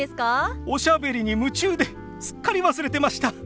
おしゃべりに夢中ですっかり忘れてました。